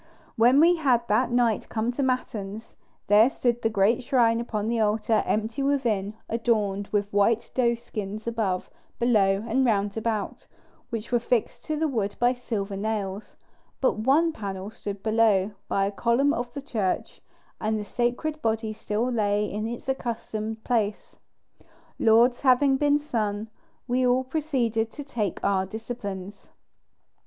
When we had that night come to matins, there stood the great shrine upon the altar, empty within, adorned with white doeskins above, below, and round about, which were fixed to the wood by silver nails; but one panel stood below, by a column of the church, and the sacred body still lay in its accustomed place. Lauds having been sung, we all proceeded to take our disciplines.